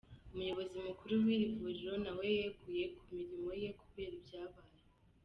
Umuyobozi mukuru w'iri vuriro na we yeguye ku mirimo ye kubera ibyabaye.